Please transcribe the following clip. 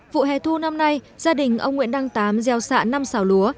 vụ hè thu năm nay gia đình ông nguyễn đăng tám gieo xạ năm xào lúa